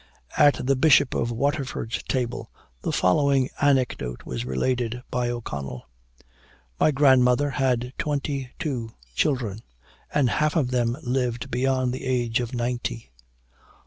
'"At the Bishop of Waterford's table, the following anecdote was related by O'Connell: "My grandmother had twenty two children, and half of them lived beyond the age of ninety.